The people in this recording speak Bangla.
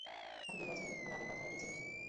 এখন গিয়ে বল যে, আমার আগের কথাটা ঠিক না।